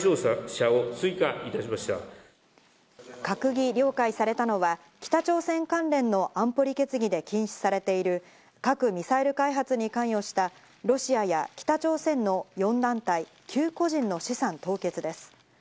閣議了解されたのは北朝鮮関連の安保理決議で禁止されている核ミサイル開発に関与したロシアや北朝鮮の４団体９個人の資産凍結です。